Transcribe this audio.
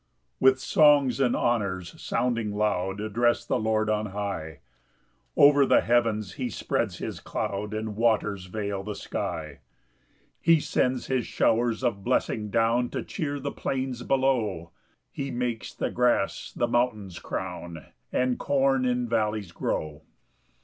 1 With songs and honours sounding loud Address the Lord on high; Over the heavens he spreads his cloud, And waters veil the sky. 2 He sends his showers of blessing down To cheer the plains below; He makes the grass the mountains crown, And corn in vallies grow.